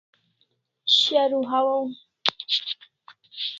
sharu hawaw